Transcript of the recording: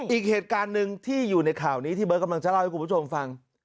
อีกเหตุการณ์หนึ่งที่อยู่ในข่าวนี้ที่เบิร์ตกำลังจะเล่าให้คุณผู้ชมฟัง